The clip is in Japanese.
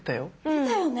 出たよね。